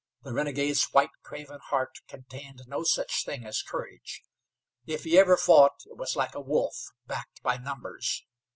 The renegade's white, craven heart contained no such thing as courage. If he ever fought it was like a wolf, backed by numbers.